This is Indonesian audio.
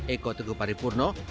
eko teguh paripurno